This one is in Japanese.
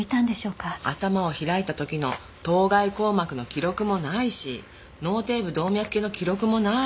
頭を開いた時の頭蓋硬膜の記録もないし脳底部動脈系の記録もない。